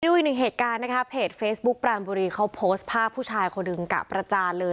ดูอีกหนึ่งเหตุการณ์นะคะเพจเฟซบุ๊คปรานบุรีเขาโพสต์ภาพผู้ชายคนหนึ่งกะประจานเลย